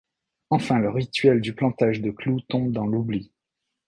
Enfin, le rituel du plantage de clou tombe dans l'oubli.